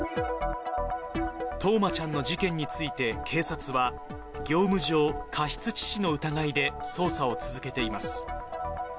冬生ちゃんの事件について警察は、業務上過失致死の疑いで捜査を続けています。